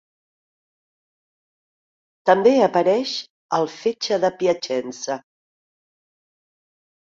També apareix al Fetge de Piacenza.